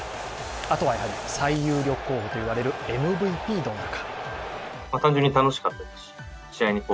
あとは最有力候補と言われるＭＶＰはどうなるか？